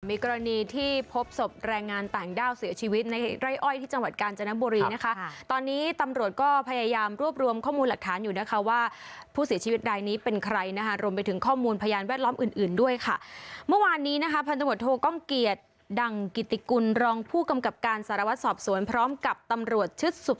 มีกรณีที่พบศพแรงงานต่างด้าวเสียชีวิตในไร้อ้อยจังหวัดกาลจ